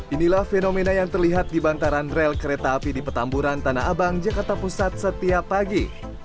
inilah fenomena yang terlihat di bantaran rel kereta api di petamburan tanah abang jakarta pusat setiap pagi